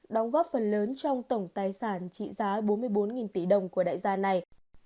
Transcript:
đóng góp phần lớn trong tổng tài sản trị giá bốn mươi bốn tỷ đồng của đại gia này